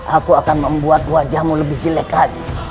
aku akan membuat wajahmu lebih jelek lagi